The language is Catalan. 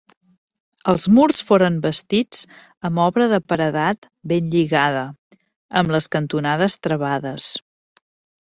Els murs foren bastits amb obra de paredat ben lligada, amb les cantonades travades.